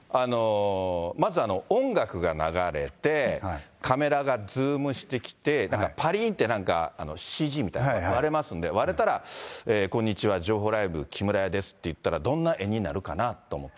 まず音楽が流れて、カメラがズームしてきて、なんか、ぱりーんって、ＣＧみたいな、割れますんで、割れたら、こんにちは、情報ライブキムラ屋ですって言ったら、どんな絵になるかなと思って。